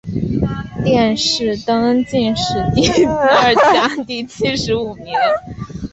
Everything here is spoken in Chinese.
殿试登进士第二甲第七十五名。